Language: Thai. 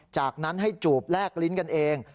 จากนั้นให้จูบแลกลิ้นกันเอง